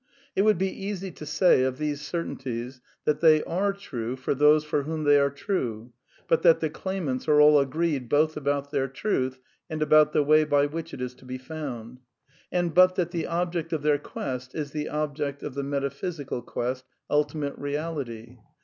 It would be easy to say of these certainties that they are true for those for whom they are true, but that the claimants are all agreed both about their truth and about the way by which it is to be found ; and but that the object of their quest is the object of the meta physical quest, Ultimate Reality.